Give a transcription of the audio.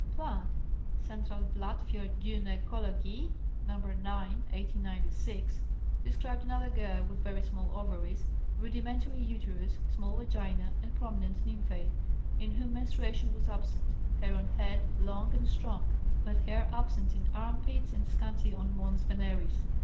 Plant (Centralblatt für Gynäkologie, No. 9, 1896) described another girl with very small ovaries, rudimentary uterus, small vagina, and prominent nymphæ, in whom menstruation was absent, hair on head long and strong, but hair absent in armpits and scanty on mons veneris.